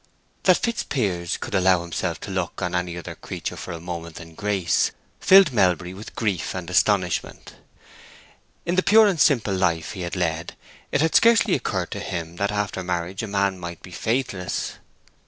That Fitzpiers could allow himself to look on any other creature for a moment than Grace filled Melbury with grief and astonishment. In the pure and simple life he had led it had scarcely occurred to him that after marriage a man might be faithless.